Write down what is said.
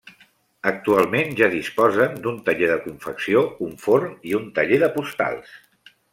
Actualment ja disposen d'un taller de confecció, un forn i un taller de postals.